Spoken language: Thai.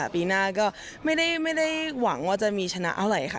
ปีหน้าก็ไม่ได้หวังว่าจะมีชนะเท่าไหร่ค่ะ